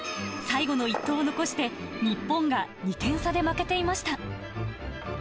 最後の一投を残して、日本が２点差で負けていました。